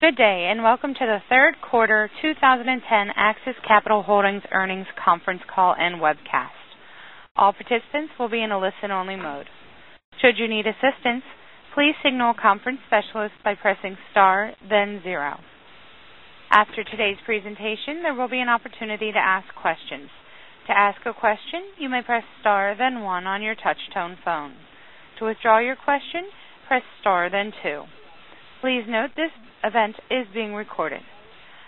Good day. Welcome to the third quarter 2010 AXIS Capital Holdings earnings conference call and webcast. All participants will be in a listen-only mode. Should you need assistance, please signal a conference specialist by pressing star then zero. After today's presentation, there will be an opportunity to ask questions. To ask a question, you may press star then one on your touch tone phone. To withdraw your question, press star then two. Please note this event is being recorded.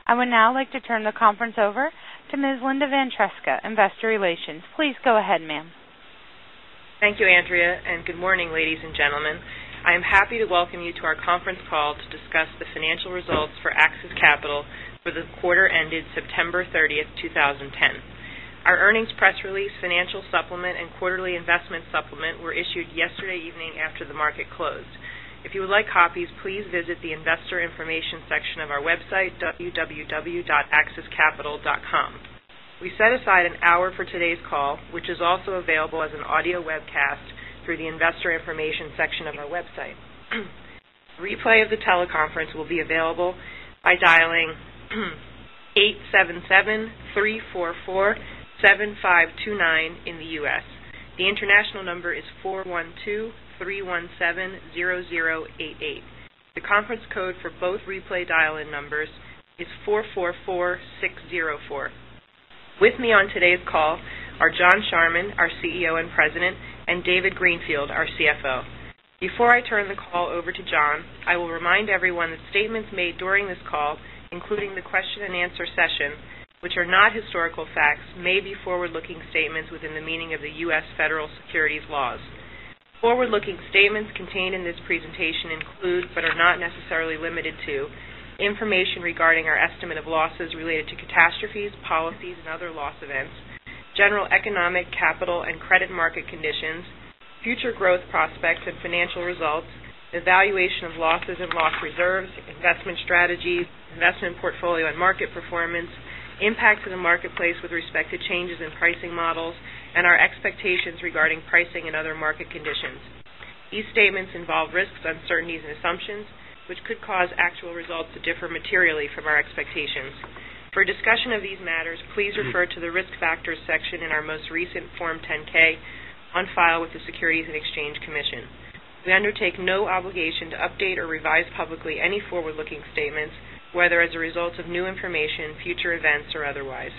I would now like to turn the conference over to Ms. Linda Ventresca, investor relations. Please go ahead, ma'am. Thank you, Andrea. Good morning, ladies and gentlemen. I am happy to welcome you to our conference call to discuss the financial results for AXIS Capital for the quarter ended September 30th, 2010. Our earnings press release, financial supplement, and quarterly investment supplement were issued yesterday evening after the market closed. If you would like copies, please visit the investor information section of our website, www.axiscapital.com. We set aside an hour for today's call, which is also available as an audio webcast through the investor information section of our website. Replay of the teleconference will be available by dialing 877-344-7529 in the U.S. The international number is 412-317-0088. The conference code for both replay dial-in numbers is 444604. With me on today's call are John Charman, our CEO and President, and David Greenfield, our CFO. Before I turn the call over to John, I will remind everyone that statements made during this call, including the question and answer session, which are not historical facts may be forward-looking statements within the meaning of the U.S. federal securities laws. Forward-looking statements contained in this presentation include, but are not necessarily limited to, information regarding our estimate of losses related to catastrophes, policies, and other loss events, general economic, capital, and credit market conditions, future growth prospects and financial results, the valuation of losses and loss reserves, investment strategies, investment portfolio and market performance, impacts in the marketplace with respect to changes in pricing models, and our expectations regarding pricing and other market conditions. These statements involve risks, uncertainties, and assumptions, which could cause actual results to differ materially from our expectations. For a discussion of these matters, please refer to the risk factors section in our most recent Form 10-K on file with the Securities and Exchange Commission. We undertake no obligation to update or revise publicly any forward-looking statements, whether as a result of new information, future events, or otherwise.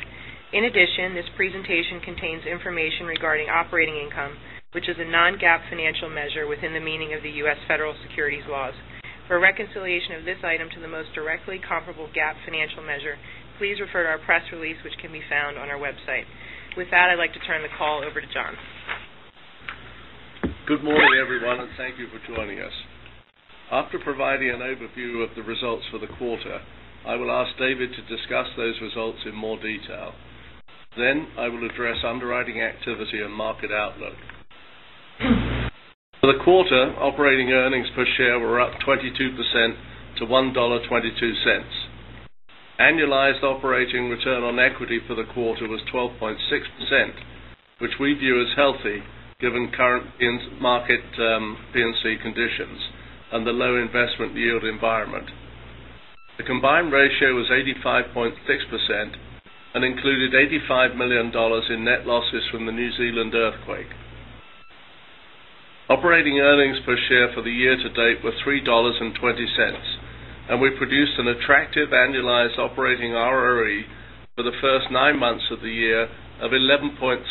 In addition, this presentation contains information regarding operating income, which is a non-GAAP financial measure within the meaning of the U.S. federal securities laws. For a reconciliation of this item to the most directly comparable GAAP financial measure, please refer to our press release, which can be found on our website. With that, I'd like to turn the call over to John. Good morning, everyone, and thank you for joining us. After providing an overview of the results for the quarter, I will ask David to discuss those results in more detail. I will address underwriting activity and market outlook. For the quarter, operating earnings per share were up 22% to $1.22. Annualized operating return on equity for the quarter was 12.6%, which we view as healthy given current market P&C conditions and the low investment yield environment. The combined ratio was 85.6% and included $85 million in net losses from the New Zealand earthquake. Operating earnings per share for the year to date were $3.20, and we produced an attractive annualized operating ROE for the first nine months of the year of 11.3%,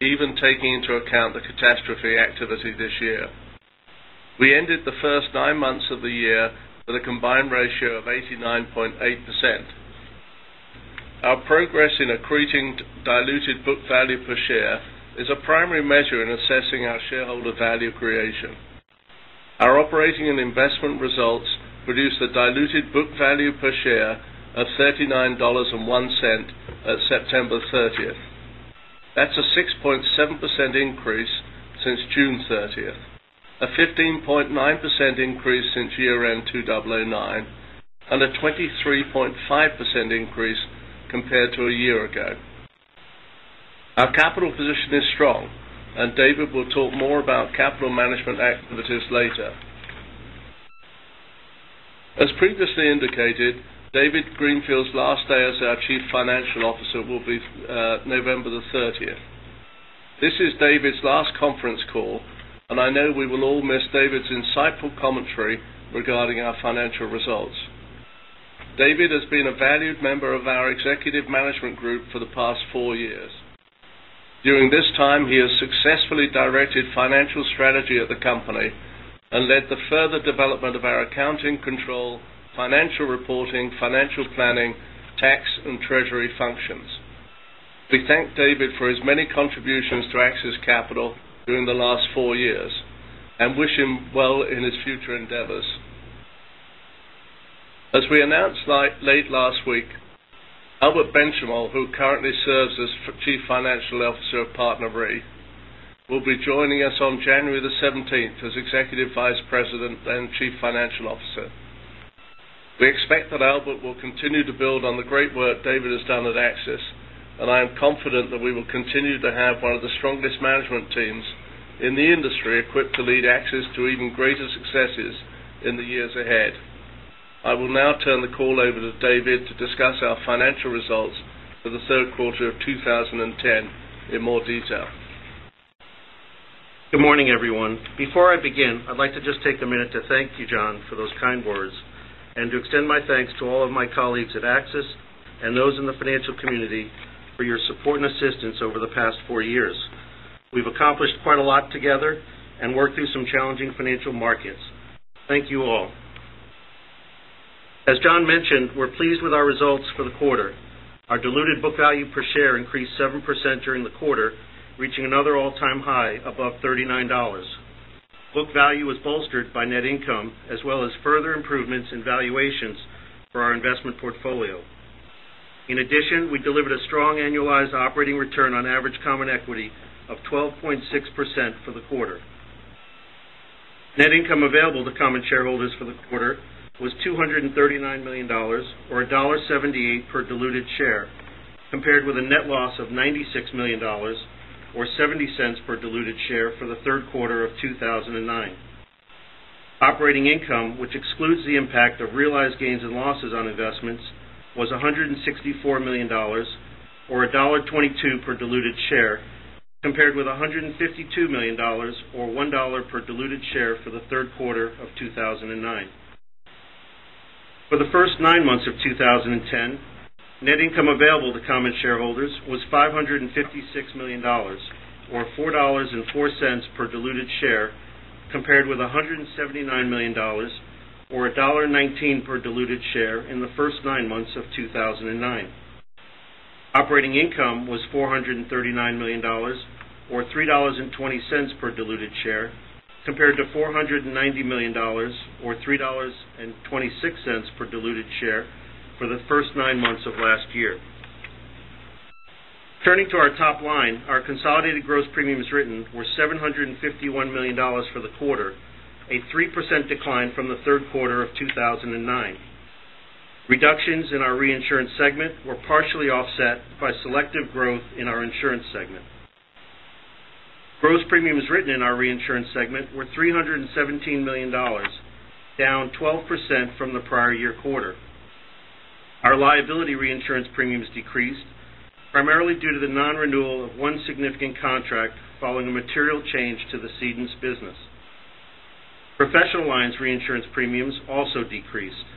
even taking into account the catastrophe activity this year. We ended the first nine months of the year with a combined ratio of 89.8%. Our progress in accreting diluted book value per share is a primary measure in assessing our shareholder value creation. Our operating and investment results produced a diluted book value per share of $39.01 at September 30th. That's a 6.7% increase since June 30th, a 15.9% increase since year-end 2009, and a 23.5% increase compared to a year ago. Our capital position is strong. David will talk more about capital management activities later. As previously indicated, David Greenfield's last day as our Chief Financial Officer will be November the 30th. This is David's last conference call. I know we will all miss David's insightful commentary regarding our financial results. David has been a valued member of our executive management group for the past four years. During this time, he has successfully directed financial strategy at the company and led the further development of our accounting control, financial reporting, financial planning, tax, and treasury functions. We thank David for his many contributions to AXIS Capital during the last four years and wish him well in his future endeavors. As we announced late last week, Albert Benchimol, who currently serves as Chief Financial Officer of PartnerRe, will be joining us on January the 17th as Executive Vice President and Chief Financial Officer. We expect that Albert will continue to build on the great work David has done at AXIS. I am confident that we will continue to have one of the strongest management teams in the industry equipped to lead AXIS to even greater successes in the years ahead. I will now turn the call over to David to discuss our financial results for the third quarter of 2010 in more detail. Good morning, everyone. Before I begin, I'd like to just take a minute to thank you, John, for those kind words, and to extend my thanks to all of my colleagues at AXIS and those in the financial community for your support and assistance over the past four years. We've accomplished quite a lot together and worked through some challenging financial markets. Thank you all. As John mentioned, we're pleased with our results for the quarter. Our diluted book value per share increased 7% during the quarter, reaching another all-time high above $39. Book value was bolstered by net income, as well as further improvements in valuations for our investment portfolio. In addition, we delivered a strong annualized operating return on average common equity of 12.6% for the quarter. Net income available to common shareholders for the quarter was $239 million, or $1.78 per diluted share, compared with a net loss of $96 million, or $0.70 per diluted share for the third quarter of 2009. Operating income, which excludes the impact of realized gains and losses on investments, was $164 million, or $1.22 per diluted share, compared with $152 million, or $1 per diluted share for the third quarter of 2009. For the first nine months of 2010, net income available to common shareholders was $556 million, or $4.04 per diluted share, compared with $179 million or $1.19 per diluted share in the first nine months of 2009. Operating income was $439 million or $3.20 per diluted share, compared to $490 million or $3.26 per diluted share for the first nine months of last year. Turning to our top line, our consolidated gross premiums written were $751 million for the quarter, a 3% decline from the third quarter of 2009. Reductions in our reinsurance segment were partially offset by selective growth in our insurance segment. Gross premiums written in our reinsurance segment were $317 million, down 12% from the prior year quarter. Our liability reinsurance premiums decreased primarily due to the non-renewal of one significant contract following a material change to the cedent's business. Professional lines reinsurance premiums also decreased.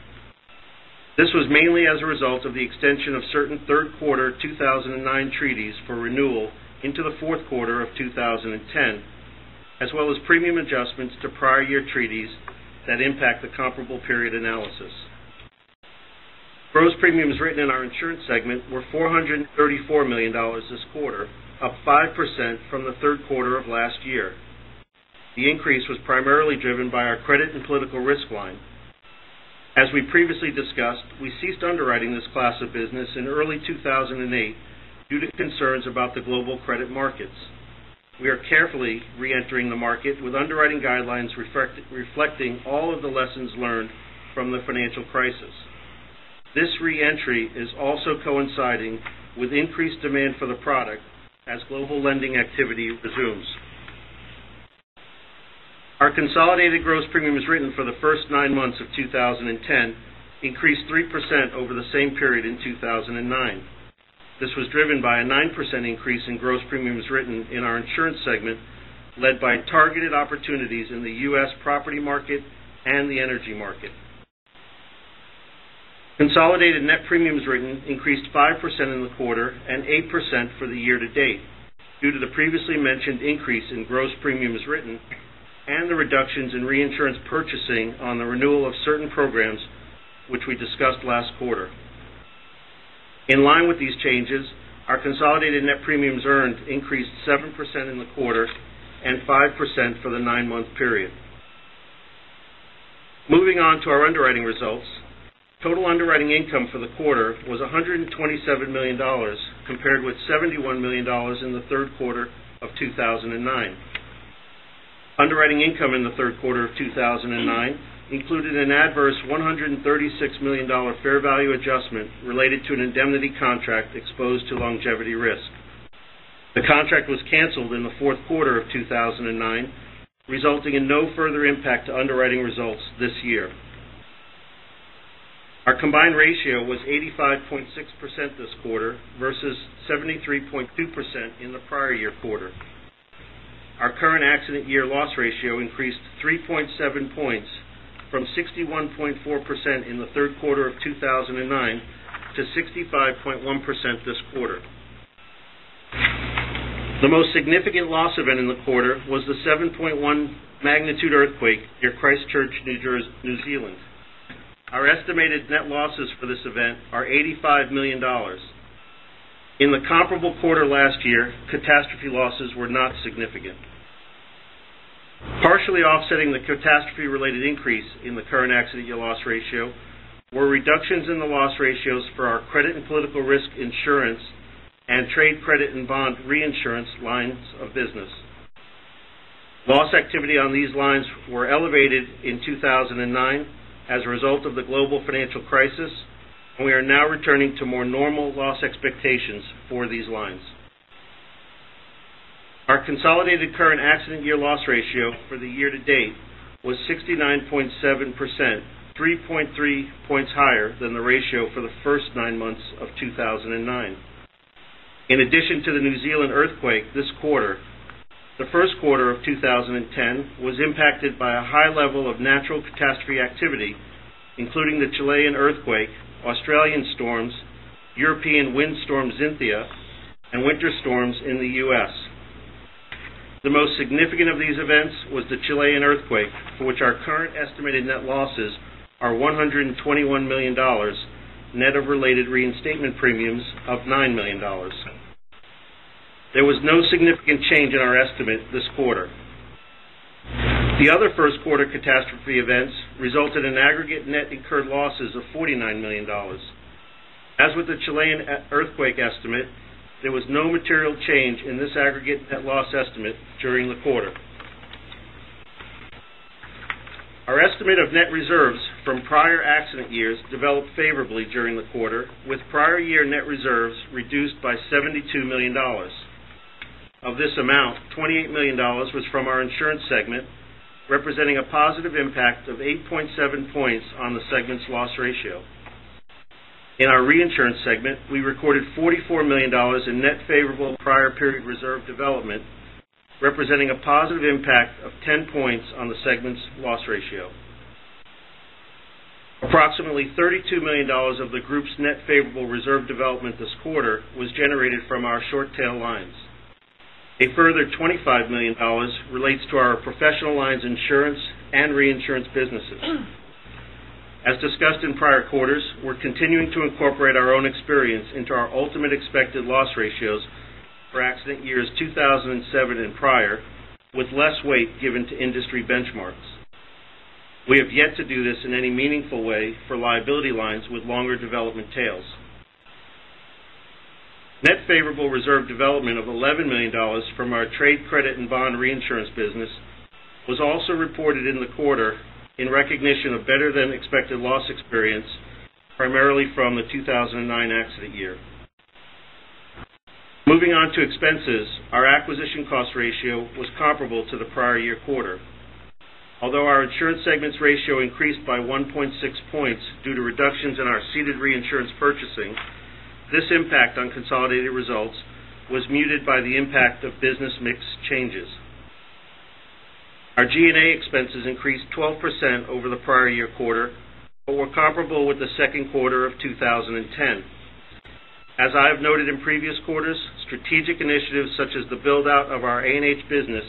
This was mainly as a result of the extension of certain third quarter 2009 treaties for renewal into the fourth quarter of 2010, as well as premium adjustments to prior year treaties that impact the comparable period analysis. Gross premiums written in our insurance segment were $434 million this quarter, up 5% from the third quarter of last year. The increase was primarily driven by our credit and political risk line. As we previously discussed, we ceased underwriting this class of business in early 2008 due to concerns about the global credit markets. We are carefully re-entering the market with underwriting guidelines reflecting all of the lessons learned from the financial crisis. This re-entry is also coinciding with increased demand for the product as global lending activity resumes. Our consolidated gross premiums written for the first nine months of 2010 increased 3% over the same period in 2009. This was driven by a 9% increase in gross premiums written in our insurance segment, led by targeted opportunities in the U.S. property market and the energy market. Consolidated net premiums written increased 5% in the quarter and 8% for the year to date due to the previously mentioned increase in gross premiums written and the reductions in reinsurance purchasing on the renewal of certain programs, which we discussed last quarter. In line with these changes, our consolidated net premiums earned increased 7% in the quarter and 5% for the nine-month period. Moving on to our underwriting results. Total underwriting income for the quarter was $127 million, compared with $71 million in the third quarter of 2009. Underwriting income in the third quarter of 2009 included an adverse $136 million fair value adjustment related to an indemnity contract exposed to longevity risk. The contract was canceled in the fourth quarter of 2009, resulting in no further impact to underwriting results this year. Our combined ratio was 85.6% this quarter versus 73.2% in the prior year quarter. Our current accident year loss ratio increased 3.7 points from 61.4% in the third quarter of 2009 to 65.1% this quarter. The most significant loss event in the quarter was the 7.1 magnitude earthquake near Christchurch, New Zealand. Our estimated net losses for this event are $85 million. In the comparable quarter last year, catastrophe losses were not significant. Partially offsetting the catastrophe-related increase in the current accident year loss ratio were reductions in the loss ratios for our credit and political risk insurance and trade credit and bond reinsurance lines of business. Loss activity on these lines were elevated in 2009 as a result of the global financial crisis, we are now returning to more normal loss expectations for these lines. Our consolidated current accident year loss ratio for the year to date was 69.7%, 3.3 points higher than the ratio for the first nine months of 2009. In addition to the New Zealand earthquake this quarter, the first quarter of 2010 was impacted by a high level of natural catastrophe activity, including the Chilean earthquake, Australian storms, European wind storm, Xynthia, and winter storms in the U.S. The most significant of these events was the Chilean earthquake, for which our current estimated net losses are $121 million, net of related reinstatement premiums of $9 million. There was no significant change in our estimate this quarter. The other first quarter catastrophe events resulted in aggregate net incurred losses of $49 million. As with the Chilean earthquake estimate, there was no material change in this aggregate net loss estimate during the quarter. Our estimate of net reserves from prior accident years developed favorably during the quarter, with prior year net reserves reduced by $72 million. Of this amount, $28 million was from our insurance segment, representing a positive impact of 8.7 points on the segment's loss ratio. In our reinsurance segment, we recorded $44 million in net favorable prior period reserve development, representing a positive impact of 10 points on the segment's loss ratio. Approximately $32 million of the group's net favorable reserve development this quarter was generated from our short tail lines. A further $25 million relates to our professional lines insurance and reinsurance businesses. As discussed in prior quarters, we're continuing to incorporate our own experience into our ultimate expected loss ratios for accident years 2007 and prior, with less weight given to industry benchmarks. We have yet to do this in any meaningful way for liability lines with longer development tails. Net favorable reserve development of $11 million from our trade credit and bond reinsurance business was also reported in the quarter in recognition of better-than-expected loss experience, primarily from the 2009 accident year. Moving on to expenses, our acquisition cost ratio was comparable to the prior year quarter. Although our insurance segments ratio increased by 1.6 points due to reductions in our ceded reinsurance purchasing, this impact on consolidated results was muted by the impact of business mix changes. Our G&A expenses increased 12% over the prior year quarter, but were comparable with the second quarter of 2010. As I have noted in previous quarters, strategic initiatives such as the build-out of our A&H business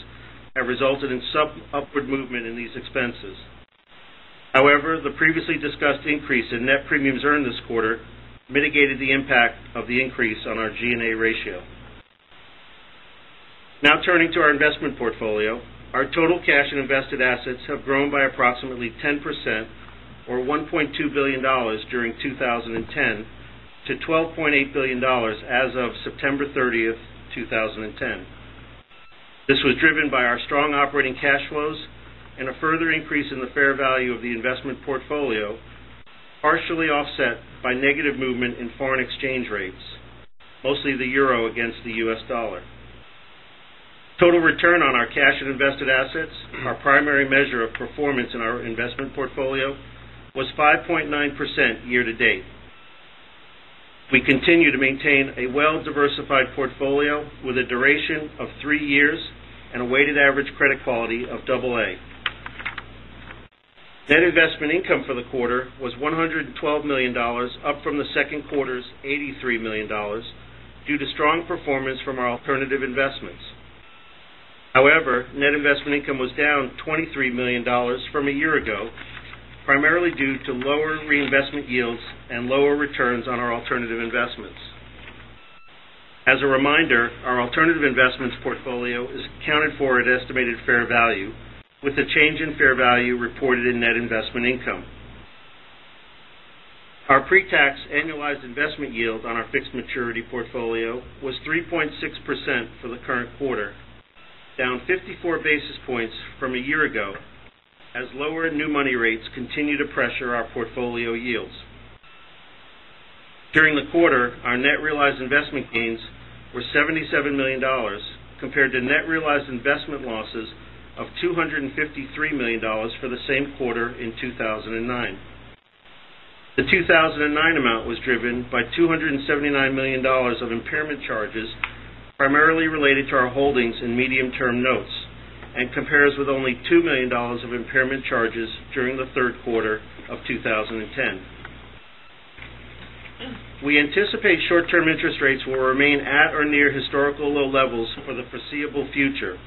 have resulted in some upward movement in these expenses. However, the previously discussed increase in net premiums earned this quarter mitigated the impact of the increase on our G&A ratio. Turning to our investment portfolio. Our total cash and invested assets have grown by approximately 10%, or $1.2 billion during 2010, to $12.8 billion as of September 30th, 2010. This was driven by our strong operating cash flows and a further increase in the fair value of the investment portfolio, partially offset by negative movement in foreign exchange rates, mostly the euro against the US dollar. Total return on our cash and invested assets, our primary measure of performance in our investment portfolio, was 5.9% year to date. We continue to maintain a well-diversified portfolio with a duration of three years and a weighted average credit quality of AA. Net investment income for the quarter was $112 million, up from the second quarter's $83 million, due to strong performance from our alternative investments. Net investment income was down $23 million from a year ago, primarily due to lower reinvestment yields and lower returns on our alternative investments. As a reminder, our alternative investments portfolio is accounted for at estimated fair value, with the change in fair value reported in net investment income. Our pre-tax annualized investment yield on our fixed maturity portfolio was 3.6% for the current quarter, down 54 basis points from a year ago, as lower new money rates continue to pressure our portfolio yields. During the quarter, our net realized investment gains were $77 million, compared to net realized investment losses of $253 million for the same quarter in 2009. The 2009 amount was driven by $279 million of impairment charges, primarily related to our holdings in Medium-Term Notes, and compares with only $2 million of impairment charges during the third quarter of 2010. We anticipate short-term interest rates will remain at or near historical low levels for the foreseeable future.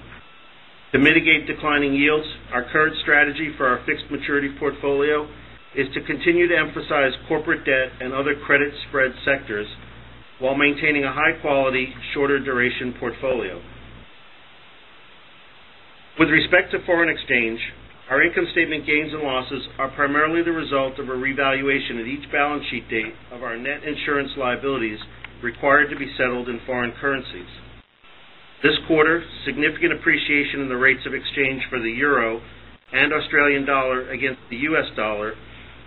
To mitigate declining yields, our current strategy for our fixed maturity portfolio is to continue to emphasize corporate debt and other credit spread sectors while maintaining a high-quality, shorter duration portfolio. With respect to foreign exchange, our income statement gains and losses are primarily the result of a revaluation at each balance sheet date of our net insurance liabilities required to be settled in foreign currencies. This quarter, significant appreciation in the rates of exchange for the euro and Australian dollar against the US dollar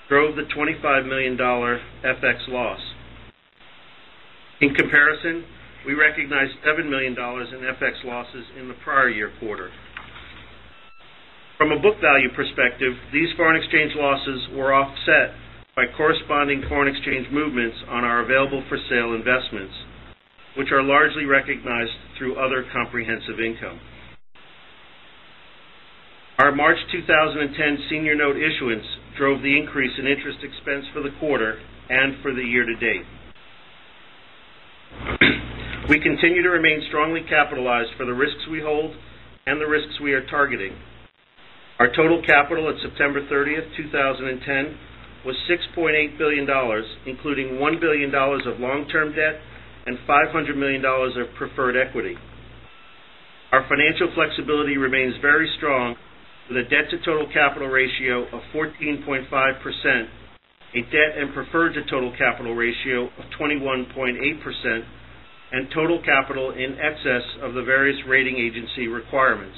drove the $25 million FX loss. In comparison, we recognized $7 million in FX losses in the prior year quarter. From a book value perspective, these foreign exchange losses were offset by corresponding foreign exchange movements on our available-for-sale investments, which are largely recognized through Other Comprehensive Income. Our March 2010 Senior Note issuance drove the increase in interest expense for the quarter and for the year to date. We continue to remain strongly capitalized for the risks we hold and the risks we are targeting. Our total capital at September 30th, 2010, was $6.8 billion, including $1 billion of long-term debt and $500 million of preferred equity. Our financial flexibility remains very strong, with a debt to total capital ratio of 14.5%, a debt and preferred to total capital ratio of 21.8%, and total capital in excess of the various rating agency requirements.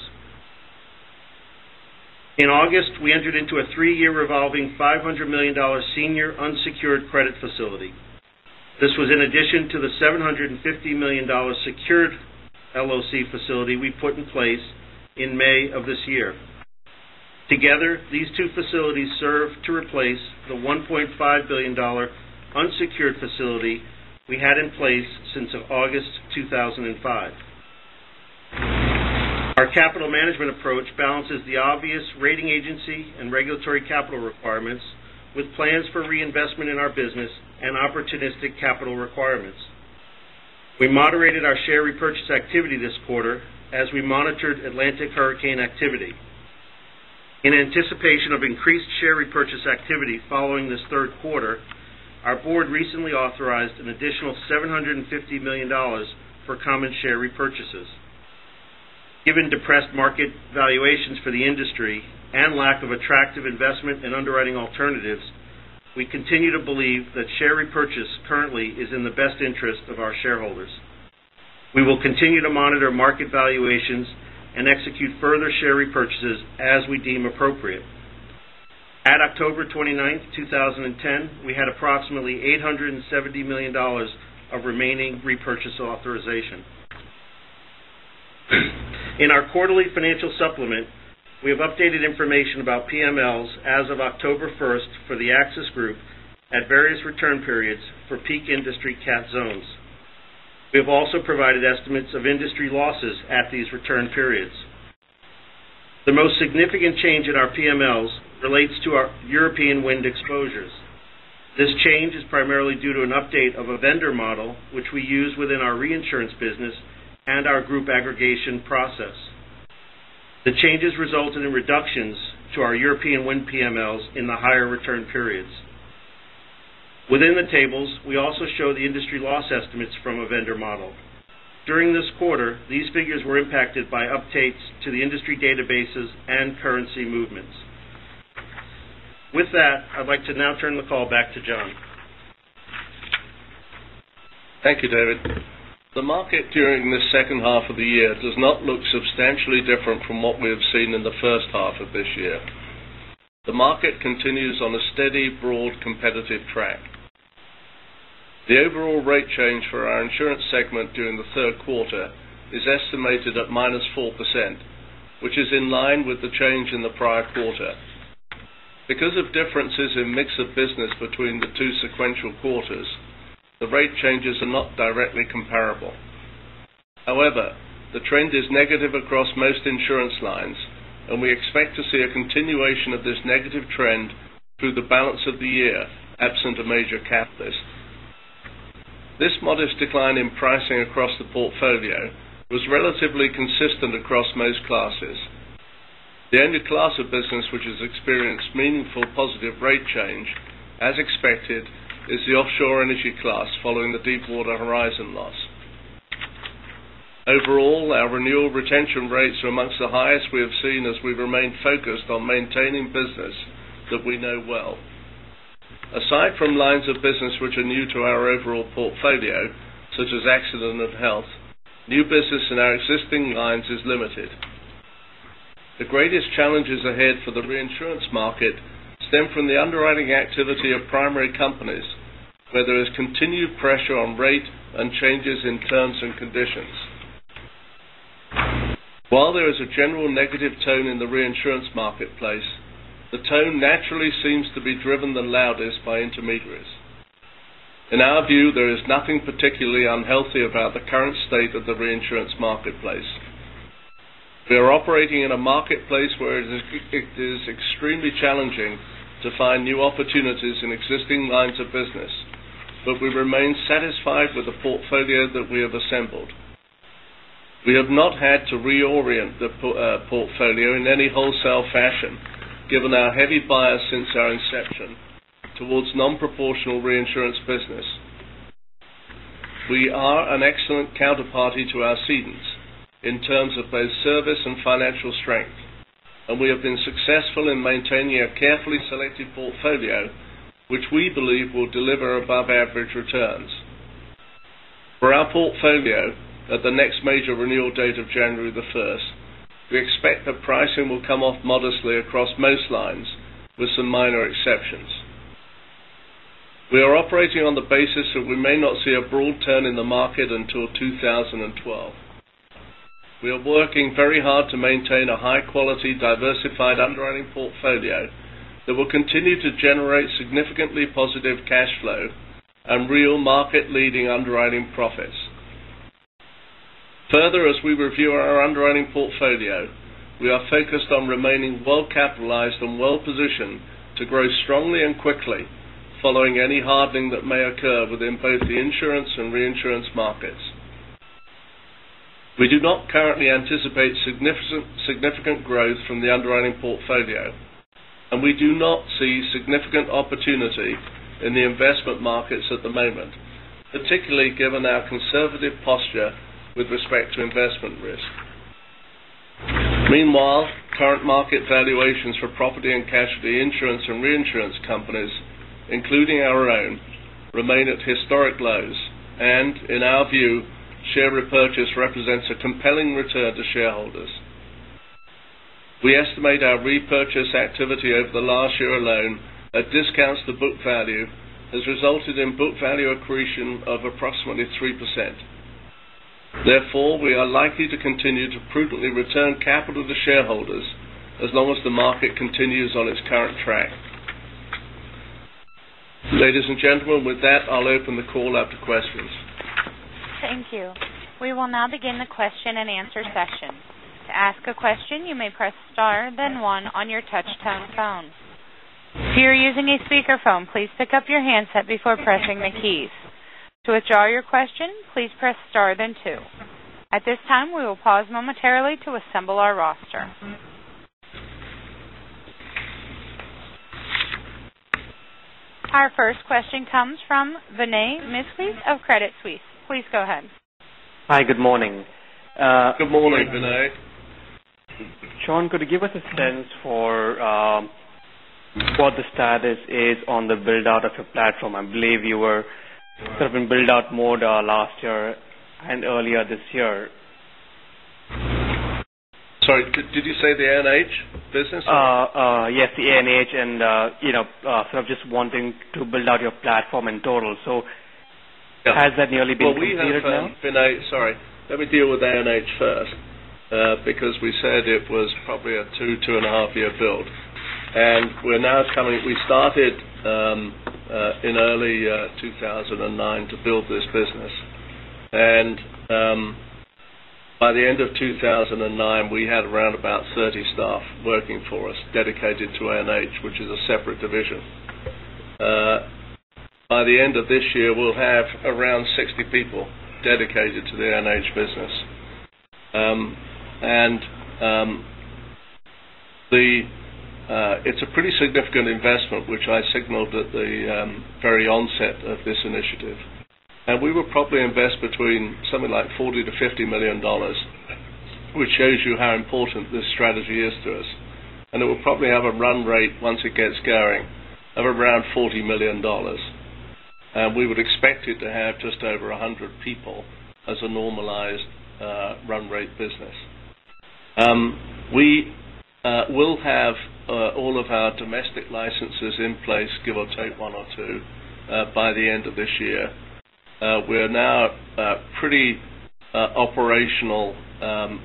In August, we entered into a three-year revolving $500 million senior unsecured credit facility. This was in addition to the $750 million secured LOC facility we put in place in May of this year. Together, these two facilities serve to replace the $1.5 billion unsecured facility we had in place since August 2005. Our capital management approach balances the obvious rating agency and regulatory capital requirements with plans for reinvestment in our business and opportunistic capital requirements. We moderated our share repurchase activity this quarter as we monitored Atlantic hurricane activity. In anticipation of increased share repurchase activity following this third quarter, our board recently authorized an additional $750 million for common share repurchases. Given depressed market valuations for the industry and lack of attractive investment and underwriting alternatives, we continue to believe that share repurchase currently is in the best interest of our shareholders. We will continue to monitor market valuations and execute further share repurchases as we deem appropriate. At October 29th, 2010, we had approximately $870 million of remaining repurchase authorization. In our quarterly financial supplement, we have updated information about PMLs as of October 1st for the AXIS Group at various return periods for peak industry cat zones. We have also provided estimates of industry losses at these return periods. The most significant change in our PMLs relates to our European wind exposures. This change is primarily due to an update of a vendor model which we use within our reinsurance business and our group aggregation process. The changes resulted in reductions to our European wind PMLs in the higher return periods. Within the tables, we also show the industry loss estimates from a vendor model. During this quarter, these figures were impacted by updates to the industry databases and currency movements. With that, I'd like to now turn the call back to John. Thank you, David. The market during this second half of the year does not look substantially different from what we have seen in the first half of this year. The market continues on a steady, broad, competitive track. The overall rate change for our insurance segment during the third quarter is estimated at -4%, which is in line with the change in the prior quarter. Because of differences in mix of business between the two sequential quarters, the rate changes are not directly comparable. However, the trend is negative across most insurance lines, and we expect to see a continuation of this negative trend through the balance of the year, absent a major catalyst. This modest decline in pricing across the portfolio was relatively consistent across most classes. The only class of business which has experienced meaningful positive rate change, as expected, is the Deepwater Horizon loss. Overall, our renewal retention rates are amongst the highest we have seen as we've remained focused on maintaining business that we know well. Aside from lines of business which are new to our overall portfolio, such as accident and health, new business in our existing lines is limited. The greatest challenges ahead for the reinsurance market stem from the underwriting activity of primary companies, where there is continued pressure on rate and changes in terms and conditions. While there is a general negative tone in the reinsurance marketplace, the tone naturally seems to be driven the loudest by intermediaries. In our view, there is nothing particularly unhealthy about the current state of the reinsurance marketplace. We are operating in a marketplace where it is extremely challenging to find new opportunities in existing lines of business. We remain satisfied with the portfolio that we have assembled. We have not had to reorient the portfolio in any wholesale fashion, given our heavy bias since our inception towards non-proportional reinsurance business. We are an excellent counterparty to our cedants in terms of both service and financial strength. We have been successful in maintaining a carefully selected portfolio, which we believe will deliver above-average returns. For our portfolio, at the next major renewal date of January the 1st, we expect that pricing will come off modestly across most lines, with some minor exceptions. We are operating on the basis that we may not see a broad turn in the market until 2012. We are working very hard to maintain a high-quality, diversified underwriting portfolio that will continue to generate significantly positive cash flow and real market-leading underwriting profits. Further, as we review our underwriting portfolio, we are focused on remaining well-capitalized and well-positioned to grow strongly and quickly following any hardening that may occur within both the insurance and reinsurance markets. We do not currently anticipate significant growth from the underwriting portfolio, and we do not see significant opportunity in the investment markets at the moment, particularly given our conservative posture with respect to investment risk. Meanwhile, current market valuations for property and casualty insurance and reinsurance companies, including our own, remain at historic lows. In our view, share repurchase represents a compelling return to shareholders. We estimate our repurchase activity over the last year alone at discounts to book value has resulted in book value accretion of approximately 3%. Therefore, we are likely to continue to prudently return capital to shareholders as long as the market continues on its current track. Ladies and gentlemen, with that, I'll open the call up to questions. Thank you. We will now begin the question-and-answer session. To ask a question, you may press star then one on your touch-tone phone. If you are using a speakerphone, please pick up your handset before pressing the keys. To withdraw your question, please press star then two. At this time, we will pause momentarily to assemble our roster. Our first question comes from Vinay Misquith of Credit Suisse. Please go ahead. Hi. Good morning. Good morning, Vinay. John, could you give us a sense for what the status is on the build-out of your platform? I believe you were sort of in build-out mode last year and earlier this year. Sorry, did you say the A&H business? Yes, the A&H and sort of just wanting to build out your platform in total. Has that nearly been completed now? Vinay, sorry. Let me deal with A&H first. We said it was probably a two-and-a-half-year build. We started in early 2009 to build this business. By the end of 2009, we had around about 30 staff working for us dedicated to A&H, which is a separate division. By the end of this year, we'll have around 60 people dedicated to the A&H business. It's a pretty significant investment, which I signaled at the very onset of this initiative. We will probably invest between something like $40 million-$50 million, which shows you how important this strategy is to us. It will probably have a run rate once it gets going of around $40 million. We would expect it to have just over 100 people as a normalized run rate business. We will have all of our domestic licenses in place, give or take one or two, by the end of this year. We're now pretty operational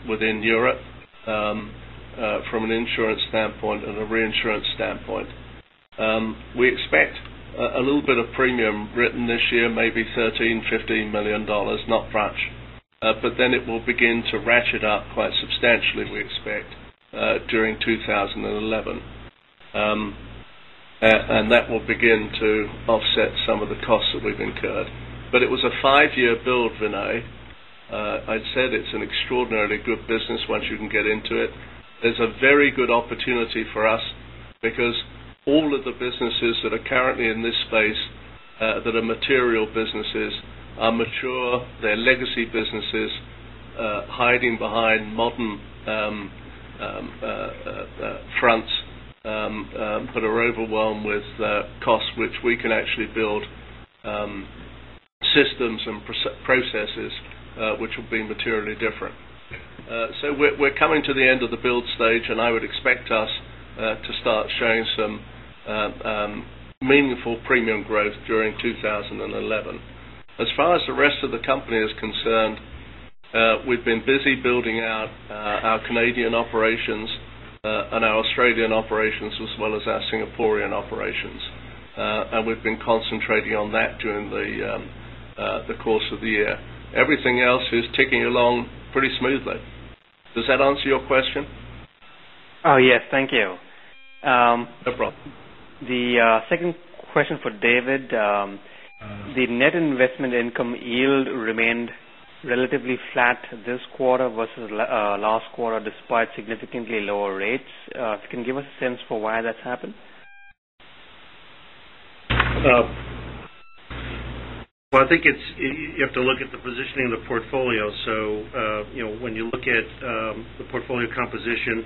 within Europe from an insurance standpoint and a reinsurance standpoint. We expect a little bit of premium written this year, maybe $13 million, $15 million, not much. It will begin to ratchet up quite substantially, we expect, during 2011. That will begin to offset some of the costs that we've incurred. It was a five-year build, Vinay. I'd said it's an extraordinarily good business once you can get into it. There's a very good opportunity for us because all of the businesses that are currently in this space that are material businesses are mature. They're legacy businesses hiding behind modern fronts, but are overwhelmed with costs, which we can actually build systems and processes which will be materially different. We're coming to the end of the build stage, and I would expect us to start showing some meaningful premium growth during 2011. As far as the rest of the company is concerned, we've been busy building out our Canadian operations and our Australian operations, as well as our Singaporean operations. We've been concentrating on that during the course of the year. Everything else is ticking along pretty smoothly. Does that answer your question? Yes. Thank you. No problem. The second question for David. The net investment income yield remained relatively flat this quarter versus last quarter, despite significantly lower rates. Can you give us a sense for why that's happened? I think you have to look at the positioning of the portfolio. When you look at the portfolio composition,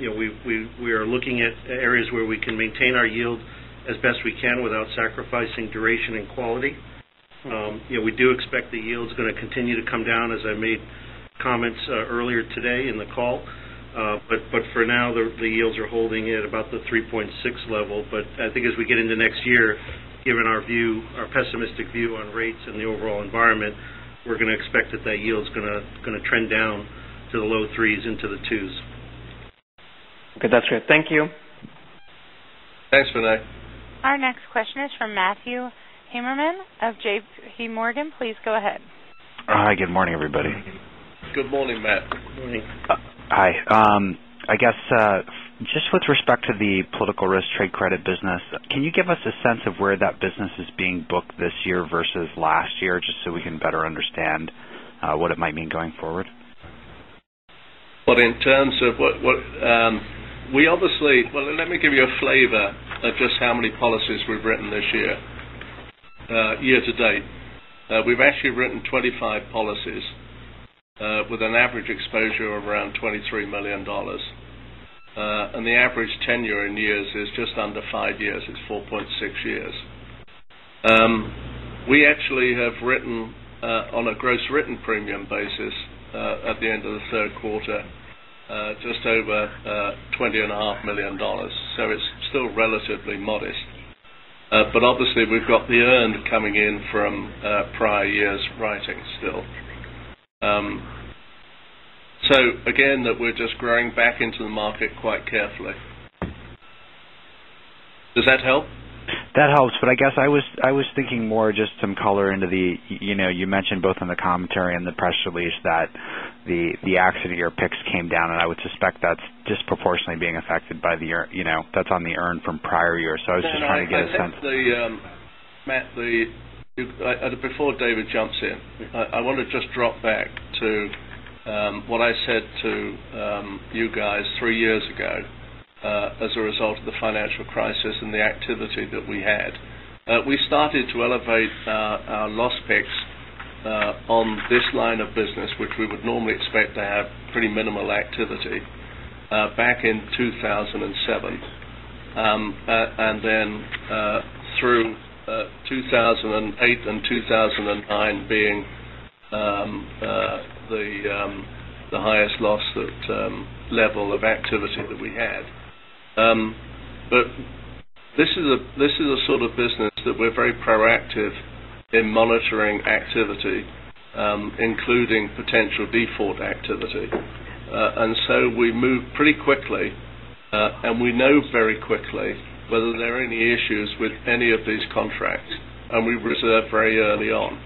we are looking at areas where we can maintain our yield as best we can without sacrificing duration and quality. We do expect the yield's going to continue to come down, as I made comments earlier today in the call. For now, the yields are holding at about the 3.6 level. I think as we get into next year, given our pessimistic view on rates and the overall environment, we're going to expect that that yield's going to trend down to the low 3s into the 2s. That's great. Thank you. Thanks, Vinay. Our next question is from Matthew Heimermann of J.P. Morgan. Please go ahead. Hi. Good morning, everybody. Good morning, Matt. Morning. Hi. I guess, just with respect to the political risk trade credit business, can you give us a sense of where that business is being booked this year versus last year, just so we can better understand what it might mean going forward? Well, let me give you a flavor of just how many policies we've written this year. Year to date, we've actually written 25 policies with an average exposure of around $23 million. The average tenure in years is just under five years. It's 4.6 years. We actually have written on a gross written premium basis, at the end of the third quarter, just over $20.5 million. It's still relatively modest. Obviously, we've got the earned coming in from prior years' writing still. Again, that we're just growing back into the market quite carefully. Does that help? I guess I was thinking more just some color into the You mentioned both in the commentary and the press release that the accident year picks came down, I would suspect that's disproportionately being affected by the year. That's on the earn from prior years. I was just trying to get a sense. Matt, before David jumps in, I want to just drop back to what I said to you guys three years ago, as a result of the financial crisis and the activity that we had. We started to elevate our loss picks on this line of business, which we would normally expect to have pretty minimal activity back in 2007. Through 2008 and 2009 being the highest loss level of activity that we had. This is a sort of business that we're very proactive in monitoring activity, including potential default activity. We move pretty quickly, and we know very quickly whether there are any issues with any of these contracts, and we reserve very early on.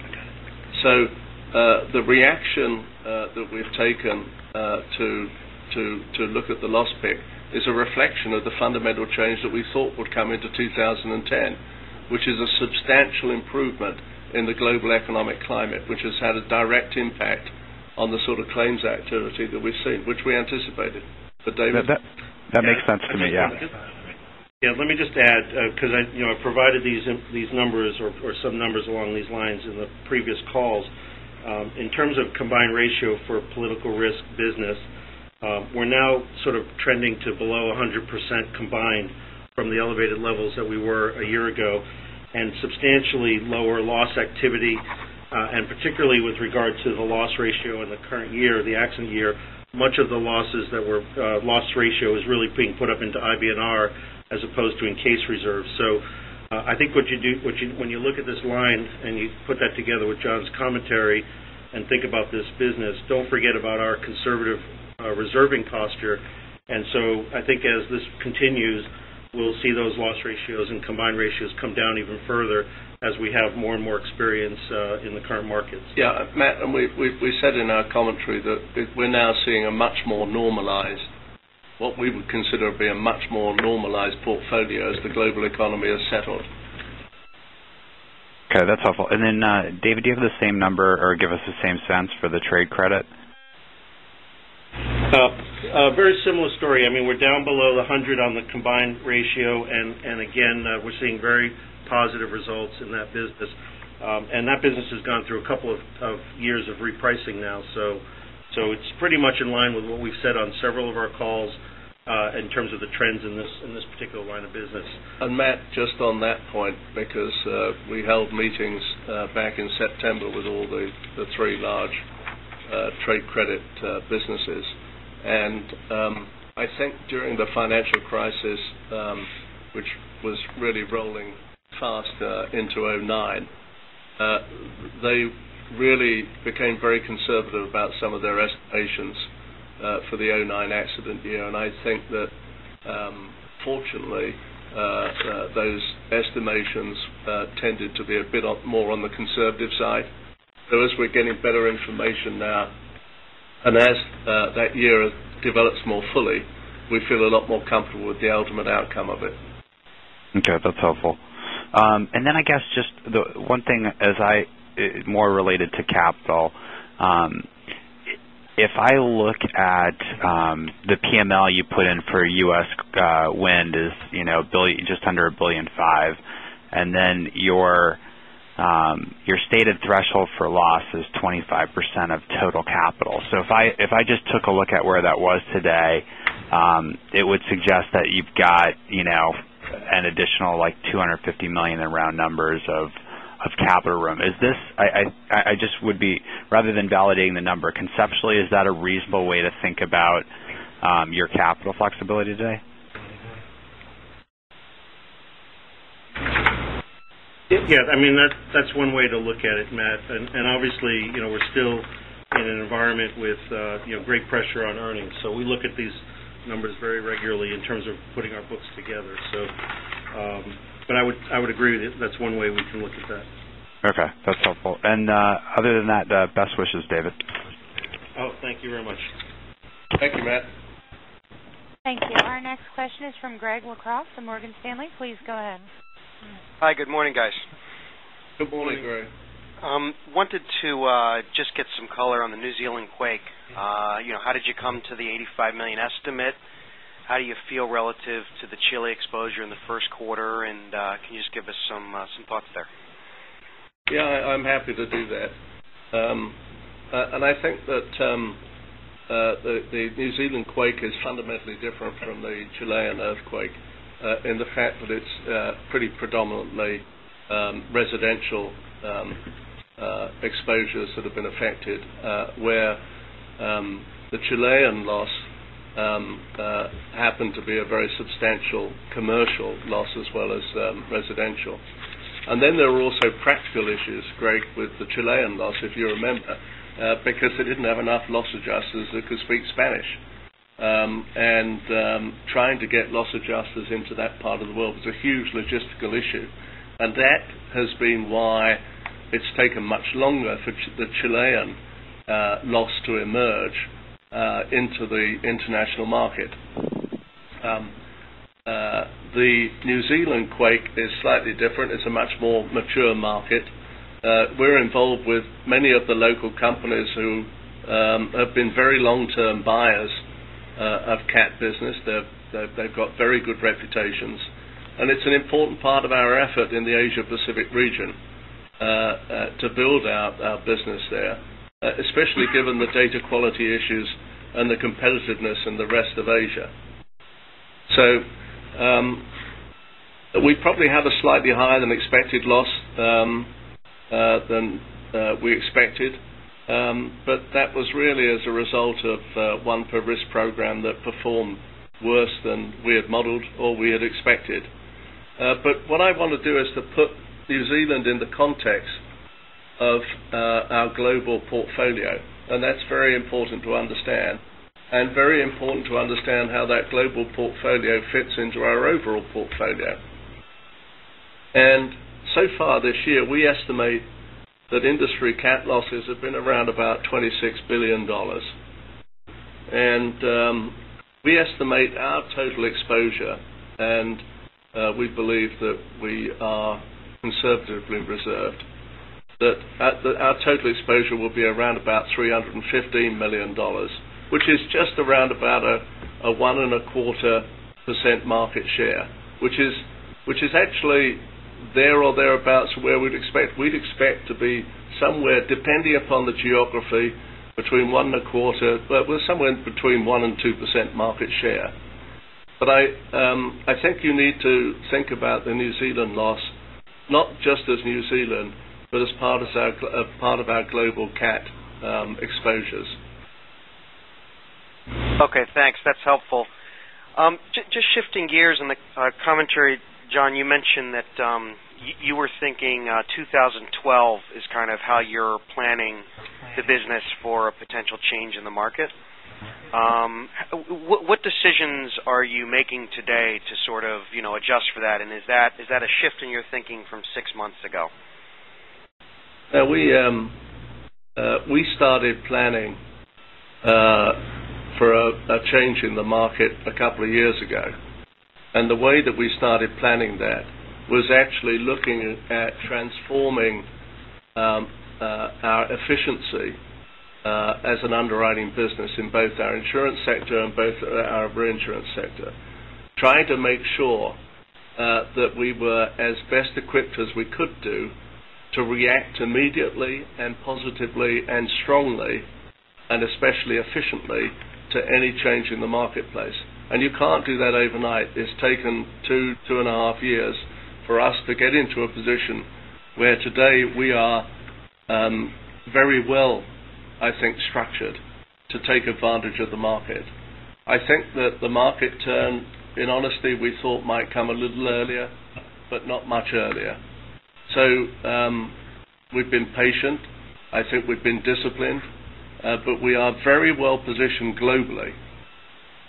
The reaction that we've taken to look at the loss pick is a reflection of the fundamental change that we thought would come into 2010, which is a substantial improvement in the global economic climate, which has had a direct impact on the sort of claims activity that we've seen, which we anticipated. David? That makes sense to me, yeah. Yeah. Let me just add, because I provided these numbers or some numbers along these lines in the previous calls. In terms of combined ratio for political risk business, we're now sort of trending to below 100% combined from the elevated levels that we were a year ago, and substantially lower loss activity. Particularly with regard to the loss ratio in the current year, the accident year, much of the losses that were loss ratio is really being put up into IBNR as opposed to in case reserve. I think when you look at this line and you put that together with John's commentary and think about this business, don't forget about our conservative reserving posture. I think as this continues, we'll see those loss ratios and combined ratios come down even further as we have more and more experience in the current markets. Yeah. Matt, we said in our commentary that we're now seeing what we would consider being a much more normalized portfolio as the global economy has settled. Okay. That's helpful. David, do you have the same number or give us the same sense for the trade credit? A very similar story. We're down below 100 on the combined ratio. Again, we're seeing very positive results in that business. That business has gone through a couple of years of repricing now. It's pretty much in line with what we've said on several of our calls in terms of the trends in this particular line of business. Matt, just on that point, because we held meetings back in September with all the three large trade credit businesses. I think during the financial crisis, which was really rolling fast into 2009, they really became very conservative about some of their expectations for the 2009 accident year. I think that fortunately, those estimations tended to be a bit more on the conservative side. As we're getting better information now, and as that year develops more fully, we feel a lot more comfortable with the ultimate outcome of it. Okay. That's helpful. I guess just one thing more related to capital. If I look at the PML you put in for U.S. wind is just under $1.5 billion, then your stated threshold for loss is 25% of total capital. If I just took a look at where that was today, it would suggest that you've got an additional $250 million in round numbers of capital room. Rather than validating the number, conceptually, is that a reasonable way to think about your capital flexibility today? Yeah. That's one way to look at it, Matt. Obviously, we're still in an environment with great pressure on earnings. We look at these numbers very regularly in terms of putting our books together. I would agree with you, that's one way we can look at that. Okay. That's helpful. Other than that, best wishes, David. Oh, thank you very much. Thank you, Matt. Thank you. Our next question is from Greg Locraft from Morgan Stanley. Please go ahead. Hi. Good morning, guys. Good morning, Greg. Wanted to just get some color on the New Zealand quake. How did you come to the $85 million estimate? How do you feel relative to the Chile exposure in the first quarter? Can you just give us some thoughts there? Yeah, I'm happy to do that. I think that the New Zealand quake is fundamentally different from the Chilean earthquake in the fact that it's pretty predominantly residential exposures that have been affected. Where the Chilean loss happened to be a very substantial commercial loss as well as residential. Then there are also practical issues, Greg, with the Chilean loss, if you remember, because they didn't have enough loss adjusters that could speak Spanish. Trying to get loss adjusters into that part of the world was a huge logistical issue, and that has been why it's taken much longer for the Chilean loss to emerge into the international market. The New Zealand quake is slightly different. It's a much more mature market. We're involved with many of the local companies who have been very long-term buyers of cat business. They've got very good reputations, and it's an important part of our effort in the Asia-Pacific region to build out our business there, especially given the data quality issues and the competitiveness in the rest of Asia. We probably have a slightly higher than expected loss than we expected. That was really as a result of one per risk program that performed worse than we had modeled or we had expected. What I want to do is to put New Zealand in the context of our global portfolio, and that's very important to understand, and very important to understand how that global portfolio fits into our overall portfolio. So far this year, we estimate that industry cat losses have been around about $26 billion. We estimate our total exposure, and we believe that we are conservatively reserved, that our total exposure will be around about $315 million, which is just around about a 1.25% market share, which is actually there or thereabouts where we'd expect to be somewhere, depending upon the geography, between one and a quarter. We're somewhere between 1% and 2% market share. I think you need to think about the New Zealand loss, not just as New Zealand, but as part of our global cat exposures. Okay, thanks. That's helpful. Just shifting gears in the commentary, John, you mentioned that you were thinking 2012 is how you're planning the business for a potential change in the market. What decisions are you making today to adjust for that? Is that a shift in your thinking from six months ago? We started planning for a change in the market a couple of years ago, the way that we started planning that was actually looking at transforming our efficiency as an underwriting business in both our insurance sector and both our reinsurance sector, trying to make sure that we were as best equipped as we could do to react immediately and positively and strongly, and especially efficiently to any change in the marketplace. You can't do that overnight. It's taken two and a half years for us to get into a position where today we are very well, I think, structured to take advantage of the market. I think that the market turn, in honesty, we thought might come a little earlier, but not much earlier. We've been patient. I think we've been disciplined. We are very well positioned globally.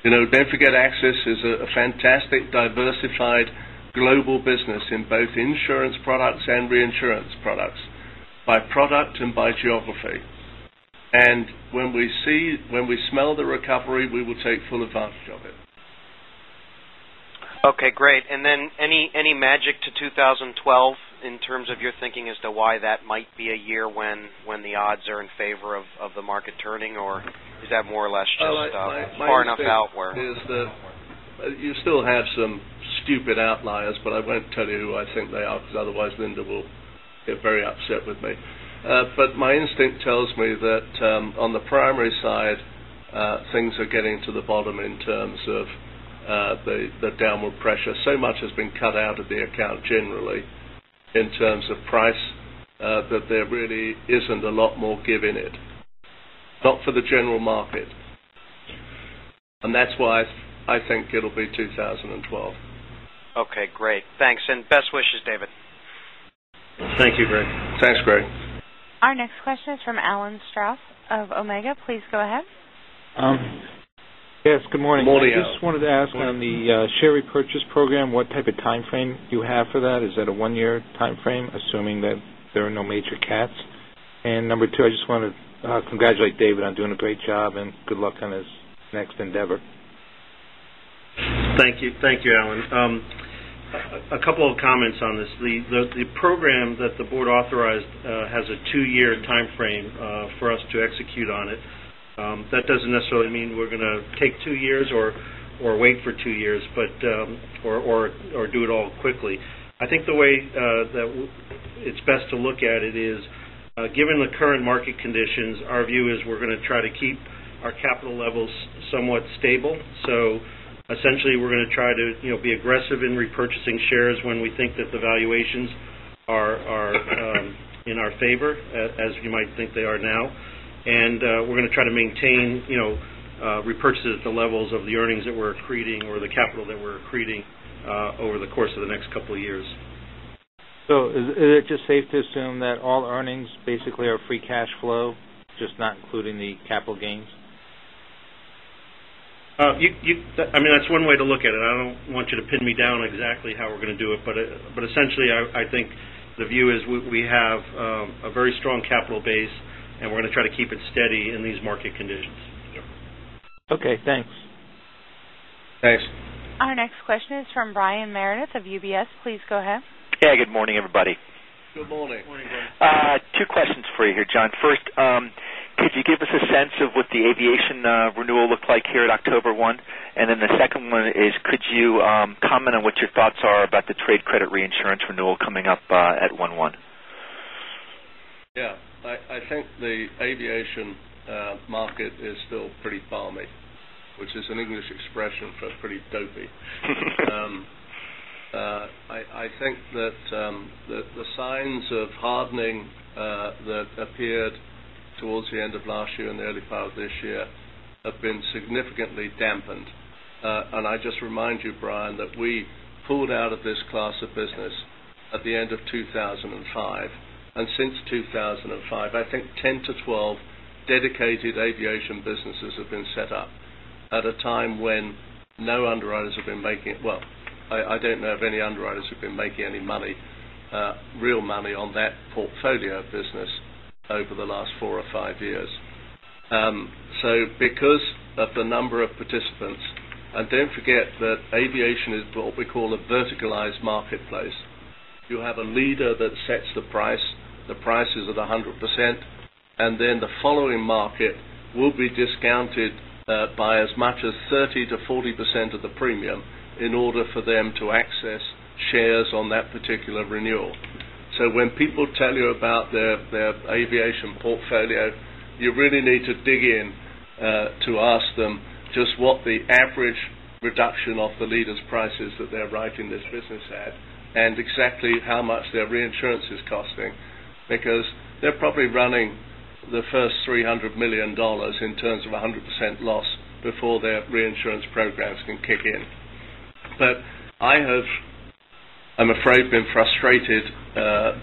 Don't forget, AXIS is a fantastic, diversified global business in both insurance products and reinsurance products, by product and by geography. When we smell the recovery, we will take full advantage. Okay, great. Any magic to 2012 in terms of your thinking as to why that might be a year when the odds are in favor of the market turning, or is that more or less just far enough out where? My instinct is that you still have some stupid outliers, but I won't tell you who I think they are, because otherwise Linda will get very upset with me. My instinct tells me that on the primary side, things are getting to the bottom in terms of the downward pressure. Much has been cut out of the account generally in terms of price, that there really isn't a lot more give in it. Not for the general market. That's why I think it'll be 2012. Okay, great. Thanks, and best wishes, David. Thank you, Greg. Thanks, Greg. Our next question is from Alan Straus of Omega. Please go ahead. Yes, good morning. Good morning, Alan. I just wanted to ask on the share repurchase program, what type of timeframe do you have for that? Is that a one-year timeframe, assuming that there are no major cats? Number two, I just want to congratulate David on doing a great job, and good luck on his next endeavor. Thank you. Thank you, Alan. A couple of comments on this. The program that the board authorized has a two-year timeframe for us to execute on it. That doesn't necessarily mean we're going to take two years or wait for two years, or do it all quickly. I think the way that it's best to look at it is given the current market conditions, our view is we're going to try to keep our capital levels somewhat stable. Essentially we're going to try to be aggressive in repurchasing shares when we think that the valuations are in our favor as you might think they are now. We're going to try to maintain repurchases at the levels of the earnings that we're accreting or the capital that we're accreting over the course of the next couple of years. Is it just safe to assume that all earnings basically are free cash flow, just not including the capital gains? That's one way to look at it. I don't want you to pin me down exactly how we're going to do it. Essentially, I think the view is we have a very strong capital base, we're going to try to keep it steady in these market conditions. Okay, thanks. Thanks. Our next question is from Brian Meredith of UBS. Please go ahead. Yeah, good morning, everybody. Good morning. Morning, Brian. Two questions for you here, John. First, could you give us a sense of what the aviation renewal looked like here at October 1? The second one is, could you comment on what your thoughts are about the trade credit reinsurance renewal coming up at 1/1? Yeah. I think the aviation market is still pretty balmy, which is an English expression for pretty dopey. I think that the signs of hardening that appeared towards the end of last year and the early part of this year have been significantly dampened. I just remind you, Brian, that we pulled out of this class of business at the end of 2005. Since 2005, I think 10 to 12 dedicated aviation businesses have been set up at a time when Well, I don't know of any underwriters who've been making any money, real money on that portfolio business over the last four or five years. Because of the number of participants, and don't forget that aviation is what we call a verticalized marketplace. You have a leader that sets the price. The price is at 100%, and then the following market will be discounted by as much as 30%-40% of the premium in order for them to access shares on that particular renewal. When people tell you about their aviation portfolio, you really need to dig in to ask them just what the average reduction off the leaders' prices that they're writing this business at and exactly how much their reinsurance is costing. Because they're probably running the first $300 million in terms of 100% loss before their reinsurance programs can kick in. I have, I'm afraid, been frustrated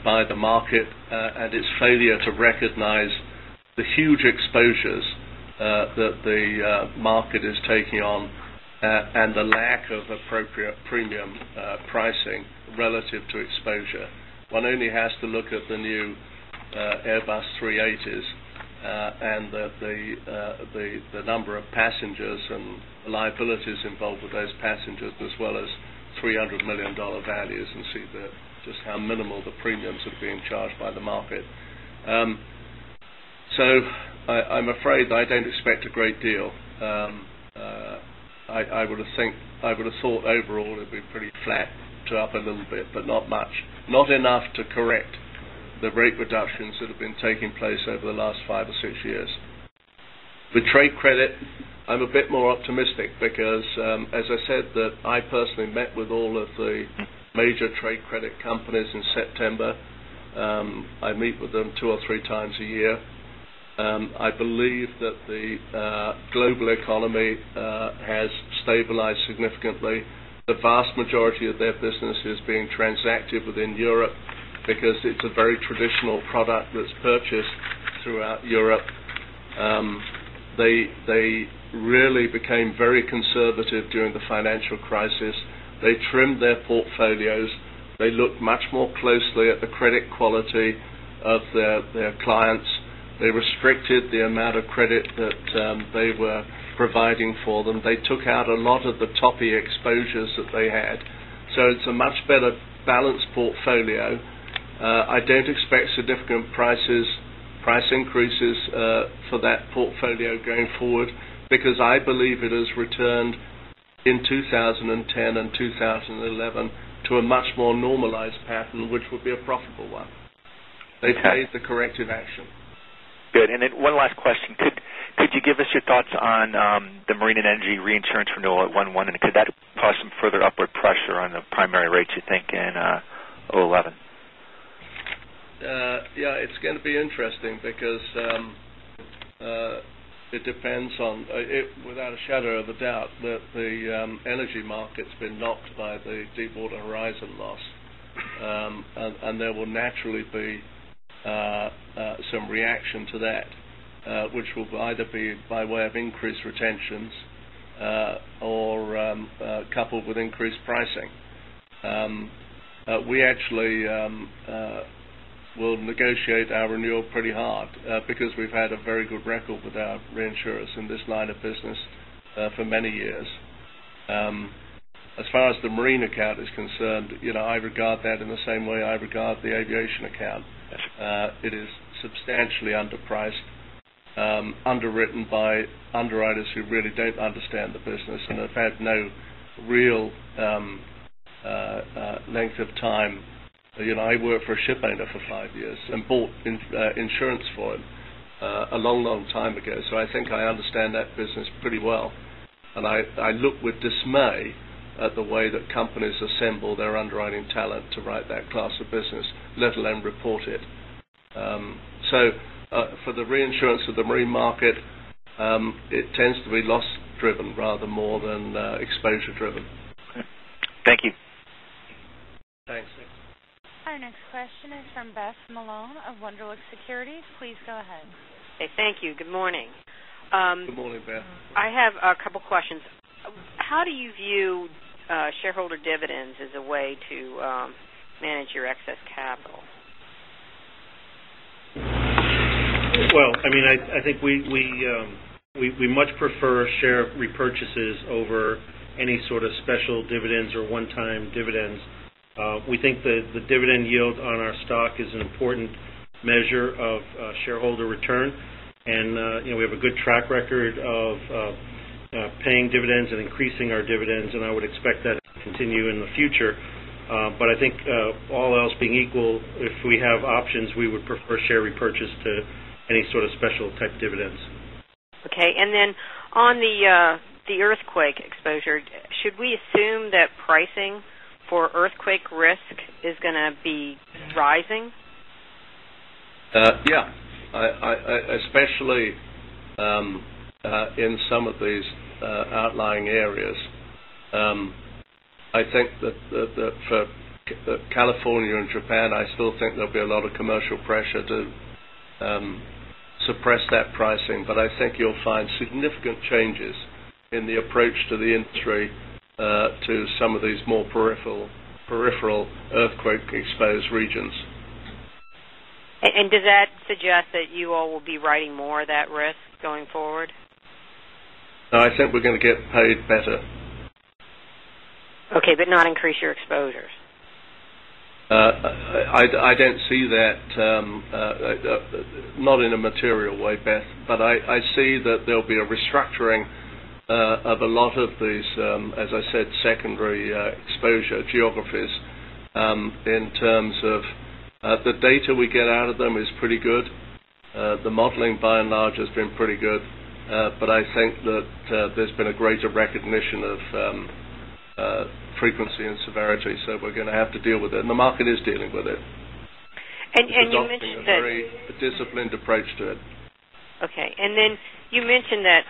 by the market and its failure to recognize the huge exposures that the market is taking on and the lack of appropriate premium pricing relative to exposure. One only has to look at the new Airbus A380s and the number of passengers and liabilities involved with those passengers, as well as $300 million values, and see just how minimal the premiums are being charged by the market. I'm afraid I don't expect a great deal. I would have thought overall it'd be pretty flat to up a little bit, but not much. Not enough to correct the rate reductions that have been taking place over the last five or six years. With trade credit, I'm a bit more optimistic because, as I said, I personally met with all of the major trade credit companies in September. I meet with them two or three times a year. I believe that the global economy has stabilized significantly. The vast majority of their business is being transacted within Europe because it's a very traditional product that's purchased throughout Europe. They really became very conservative during the financial crisis. They trimmed their portfolios. They looked much more closely at the credit quality of their clients. They restricted the amount of credit that they were providing for them. They took out a lot of the toppy exposures that they had. It's a much better-balanced portfolio. I don't expect significant price increases for that portfolio going forward because I believe it has returned in 2010 and 2011 to a much more normalized pattern, which would be a profitable one. They paid the corrective action. Good. Then one last question. Could you give us your thoughts on the marine and energy reinsurance renewal at 1/1, and could that cause some further upward pressure on the primary rates, you think, in 2011? It's going to be interesting because without a shadow of a doubt that the energy market's been knocked by the Deepwater Horizon loss. There will naturally be some reaction to that which will either be by way of increased retentions or coupled with increased pricing. We actually will negotiate our renewal pretty hard because we've had a very good record with our reinsurers in this line of business for many years. As far as the marine account is concerned, I regard that in the same way I regard the aviation account. Okay. It is substantially underpriced, underwritten by underwriters who really don't understand the business and have had no real length of time. I worked for a shipowner for five years and bought insurance for him a long, long time ago, so I think I understand that business pretty well. I look with dismay at the way that companies assemble their underwriting talent to write that class of business, let alone report it. For the reinsurance of the marine market, it tends to be loss-driven rather more than exposure-driven. Okay. Thank you. Thanks. Our next question is from Beth Malone of Wunderlich Securities. Please go ahead. Okay. Thank you. Good morning. Good morning, Beth. I have a couple questions. How do you view shareholder dividends as a way to manage your excess capital? Well, I think we much prefer share repurchases over any sort of special dividends or one-time dividends. We think that the dividend yield on our stock is an important measure of shareholder return. We have a good track record of paying dividends and increasing our dividends, and I would expect that to continue in the future. I think all else being equal, if we have options, we would prefer share repurchase to any sort of special type dividends. Okay. On the earthquake exposure, should we assume that pricing for earthquake risk is going to be rising? Yeah. Especially in some of these outlying areas. I think that for California and Japan, I still think there'll be a lot of commercial pressure to suppress that pricing. I think you'll find significant changes in the approach to the industry to some of these more peripheral earthquake-exposed regions. Does that suggest that you all will be writing more of that risk going forward? No, I think we're going to get paid better. Okay, not increase your exposures. I don't see that, not in a material way, Beth, I see that there'll be a restructuring of a lot of these, as I said, secondary exposure geographies in terms of the data we get out of them is pretty good. The modeling by and large has been pretty good. I think that there's been a greater recognition of frequency and severity, we're going to have to deal with it, and the market is dealing with it. You mentioned that. It's adopting a very disciplined approach to it. Okay. Then you mentioned that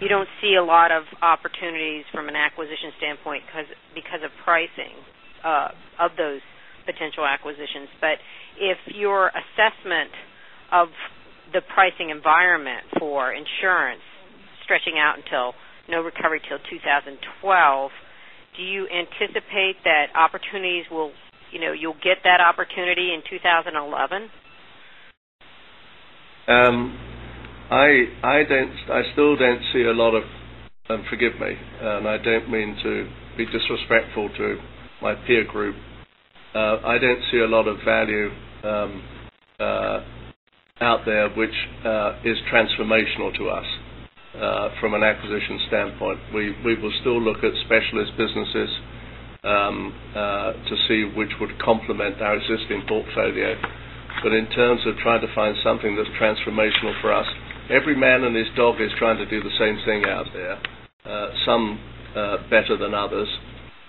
you don't see a lot of opportunities from an acquisition standpoint because of pricing of those potential acquisitions. If your assessment of the pricing environment for insurance stretching out until no recovery till 2012, do you anticipate that you'll get that opportunity in 2011? I still don't see a lot of, forgive me, and I don't mean to be disrespectful to my peer group. I don't see a lot of value out there which is transformational to us from an acquisition standpoint. We will still look at specialist businesses to see which would complement our existing portfolio. In terms of trying to find something that's transformational for us, every man and his dog is trying to do the same thing out there, some better than others.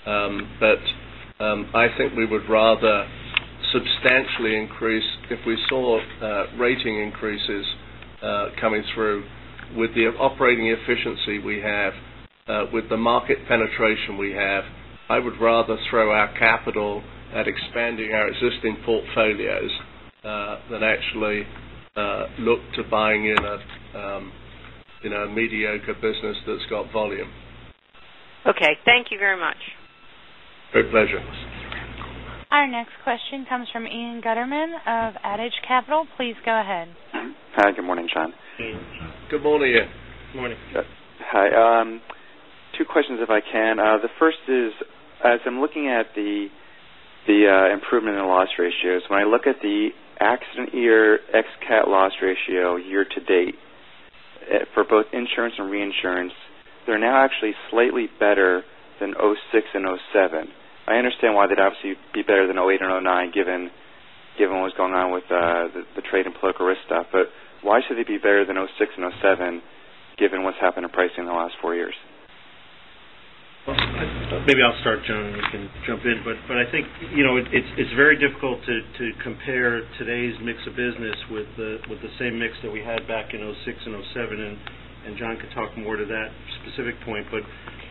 I think we would rather substantially increase if we saw rating increases coming through with the operating efficiency we have, with the market penetration we have. I would rather throw our capital at expanding our existing portfolios than actually look to buying new ones in our mediocre business that's got volume. Okay. Thank you very much. Great pleasure. Our next question comes from Ian Gutterman of Adage Capital. Please go ahead. Hi. Good morning, John. Good morning, Ian. Morning. Hi. Two questions if I can. The first is, as I'm looking at the improvement in the loss ratios, when I look at the accident year ex-CAT loss ratio year to date for both insurance and reinsurance, they're now actually slightly better than 2006 and 2007. I understand why they'd obviously be better than 2008 or 2009 given what's going on with the trade and political risk stuff. Why should it be better than 2006 and 2007 given what's happened to pricing in the last four years? Maybe I'll start, John, and you can jump in, but I think it's very difficult to compare today's mix of business with the same mix that we had back in 2006 and 2007, and John could talk more to that specific point.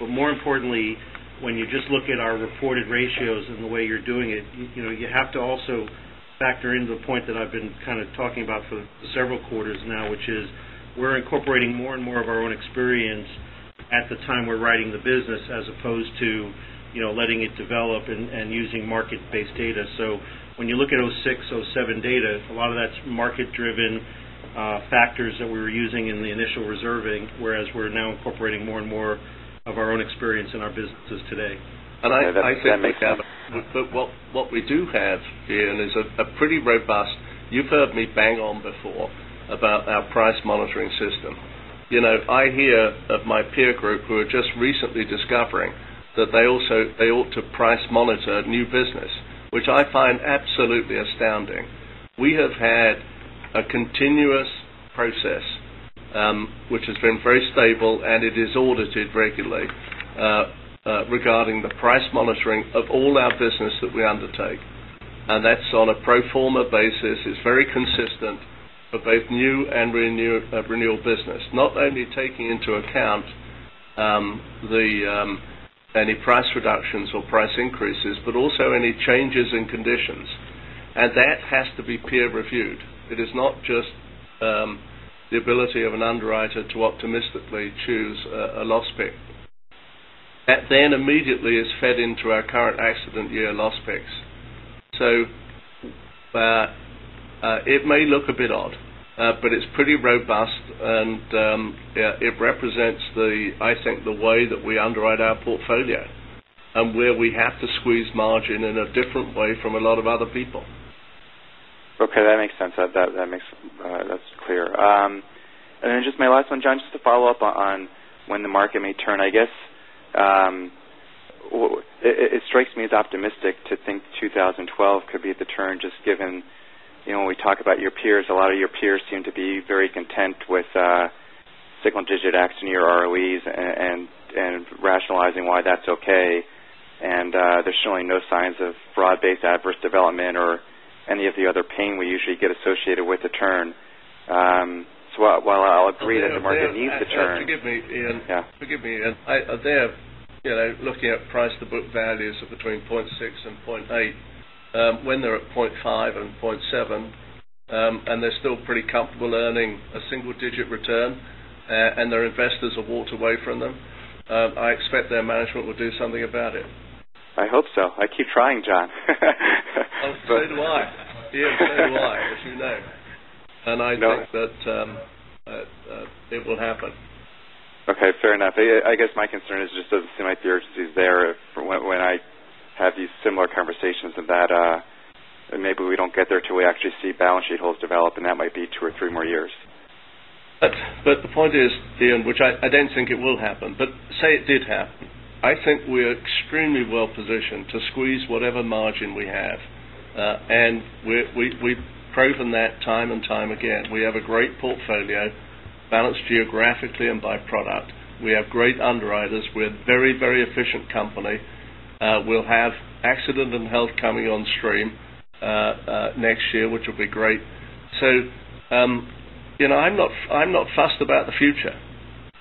More importantly, when you just look at our reported ratios and the way you're doing it, you have to also factor in the point that I've been kind of talking about for several quarters now, which is we're incorporating more and more of our own experience at the time we're writing the business as opposed to letting it develop and using market-based data. When you look at 2006, 2007 data, a lot of that's market-driven factors that we were using in the initial reserving, whereas we're now incorporating more and more of our own experience in our businesses today. I think that what we do have, Ian, is a pretty robust You've heard me bang on before about our price monitoring system. I hear of my peer group who are just recently discovering that they ought to price monitor new business, which I find absolutely astounding. We have had a continuous process, which has been very stable, and it is audited regularly, regarding the price monitoring of all our business that we undertake. That's on a pro forma basis. It's very consistent for both new and renewal business. Not only taking into account any price reductions or price increases, but also any changes in conditions. That has to be peer-reviewed. It is not just the ability of an underwriter to optimistically choose a loss pick. That then immediately is fed into our current accident year loss picks. It may look a bit odd, but it's pretty robust and it represents, I think, the way that we underwrite our portfolio and where we have to squeeze margin in a different way from a lot of other people. Okay. That makes sense. That's clear. Then just my last one, John, just to follow up on when the market may turn, I guess. It strikes me as optimistic to think 2012 could be the turn, just given when we talk about your peers, a lot of your peers seem to be very content with single-digit accident year ROEs and rationalizing why that's okay. They're showing no signs of broad-based adverse development or any of the other pain we usually get associated with the turn. While I'll agree that the market needs to turn. Forgive me, Ian. Yeah. Forgive me, Ian. They're looking at price to book values of between 0.6 and 0.8. When they're at 0.5 and 0.7, and they're still pretty comfortable earning a single-digit return, and their investors have walked away from them, I expect their management will do something about it. I hope so. I keep trying, John. I'll explain why. Ian, explain why, if you may. I think that it will happen. Okay. Fair enough. I guess my concern is just it doesn't seem like the urgency is there when I have these similar conversations and that maybe we don't get there till we actually see balance sheet holes develop, and that might be two or three more years. The point is, Ian, which I don't think it will happen, but say it did happen. I think we're extremely well-positioned to squeeze whatever margin we have. We've proven that time and time again. We have a great portfolio balanced geographically and by product. We have great underwriters. We're a very efficient company. We'll have Accident and Health coming on stream next year, which will be great. I'm not fussed about the future.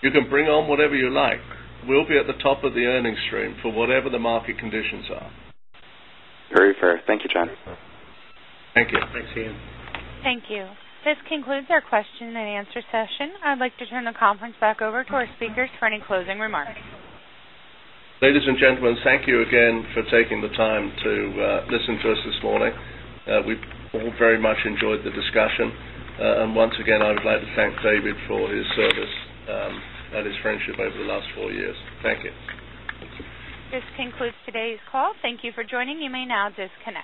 You can bring on whatever you like. We'll be at the top of the earning stream for whatever the market conditions are. Very fair. Thank you, John. Thank you. Thanks, Ian. Thank you. This concludes our question and answer session. I'd like to turn the conference back over to our speakers for any closing remarks. Ladies and gentlemen, thank you again for taking the time to listen to us this morning. We all very much enjoyed the discussion. Once again, I would like to thank David for his service and his friendship over the last four years. Thank you. This concludes today's call. Thank you for joining. You may now disconnect.